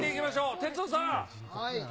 哲夫さん。